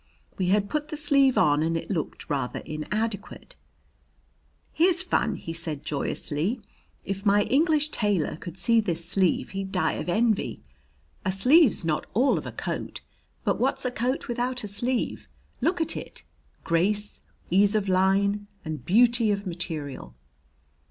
He had put the sleeve on, and it looked rather inadequate. "Here's fun," he said joyously. "If my English tailor could see this sleeve he'd die of envy. A sleeve's not all of a coat, but what's a coat without a sleeve? Look at it grace, ease of line, and beauty of material."